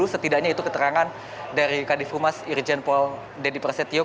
setidaknya itu keterangan dari kadif rumas irjen paul deddy prasetyo